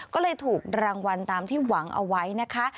ก็เลยถูกรางวัลตามที่หวังเอาไว้นะคะ